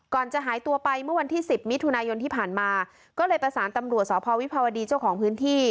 จะหายตัวไปเมื่อวันที่สิบมิถุนายนที่ผ่านมาก็เลยประสานตำรวจสพวิภาวดีเจ้าของพื้นที่